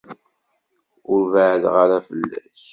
Ur beεεdeɣ ara fell-ak.